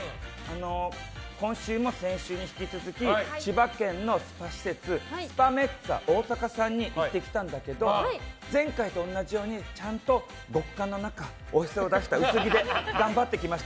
今週も先週も引き続き千葉県のスパ施設スパメッツァおおたかさんに行ってきたんだけど前回と同じようにちゃんと極寒の中おへそを出した薄着で頑張ってきました。